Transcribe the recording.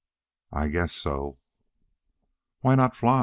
"I guess so." "Why not fly?